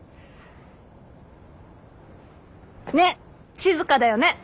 ねっ静かだよね。